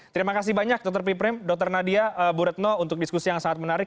terima kasih banyak dokter piprim dr nadia bu retno untuk diskusi yang sangat menarik